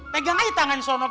pegang aja tangan insya allah